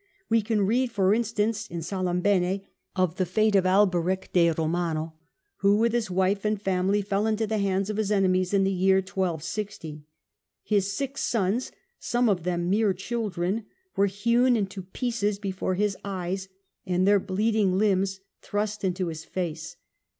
We can read, for instance, in Salimbene, of the fate of Alberic de Romano, who, with his wife and family, fell into the hands of his enemies in the year 1260. His six sons, some of them mere children, were hewn into pieces before his eyes and their bleeding limbs thrust into his STUPOR MUNDI 287 face.